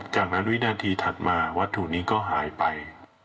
จากนั้นวินาทีถัดมาวัตถุนี้ก็หายไป